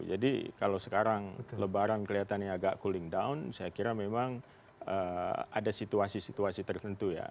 jadi kalau sekarang lebaran kelihatannya agak cooling down saya kira memang ada situasi situasi tertentu ya